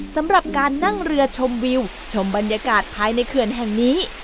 สำหรับการนั่งเรือชมวิวชมบรรยากาศภายในเขื่อนแห่งนี้